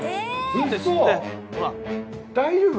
大丈夫？